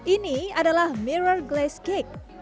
ini adalah mirror glass cake